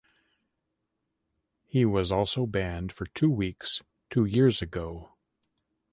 He was also banned for two weeks two years ago.